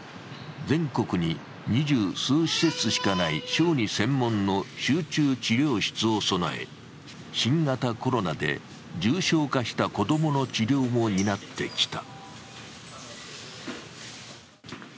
全国に２０数施設しかない小児専門の集中治療室を備え、新型コロナで重症化した子供の治療を担ってきた。